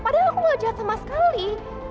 padahal aku gak jahat sama sekali